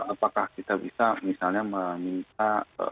apakah kita bisa misalnya meminta